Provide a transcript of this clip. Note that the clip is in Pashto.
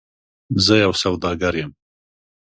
زه یو سوداګر یم .